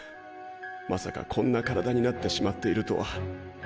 まさかこんな体になってしまっているとは。